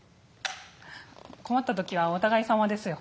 困ったときはお互い様ですよ。